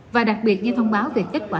và đặc biệt nghe thông báo về kết quả